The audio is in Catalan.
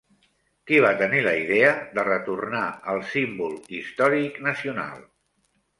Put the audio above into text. Qui va tenir la idea de retornar al símbol històric nacional?